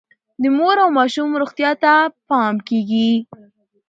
د مور او ماشوم روغتیا ته پام کیږي.